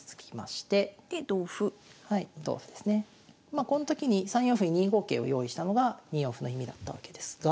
まあこの時に３四歩に２五桂を用意したのが２四歩の意味だったわけですが。